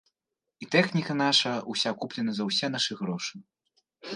І тэхніка наша ўся куплена за ўсе нашы грошы.